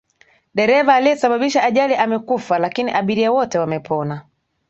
Dereva aliyesababisha ajali amekufa lakini abiria wote wamepona.